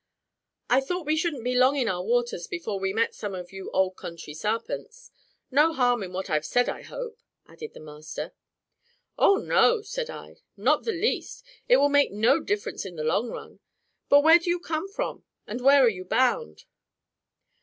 "I thought we shouldn't be long in our waters afore we met some of you old country sarpents. No harm in what I've said, I hope?" added the master. "Oh, no," said I, "not the least; it will make no difference in the long run. But where do you come from, and where are you bound?"